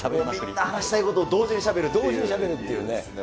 みんな話したいこと同時にし同時にしゃべるっていうね。